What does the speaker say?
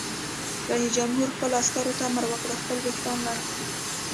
رئیس جمهور خپلو عسکرو ته امر وکړ؛ خپل ویښتان لنډ کړئ!